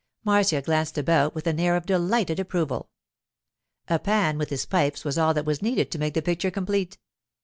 Marcia glanced about with an air of delighted approval. A Pan with his pipes was all that was needed to make the picture complete.